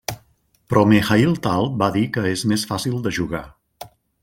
Però Mikhaïl Tal va dir que és més fàcil de jugar.